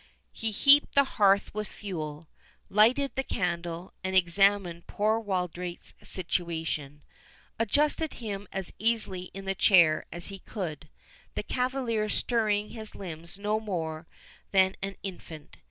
He heaped the hearth with fuel, lighted the candle, and examining poor Wildrake's situation, adjusted him as easily in the chair as he could, the cavalier stirring his limbs no more than an infant.